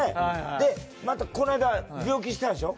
でまたこの間病気したでしょ？